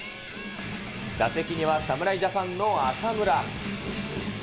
打席には侍ジャパンの浅村。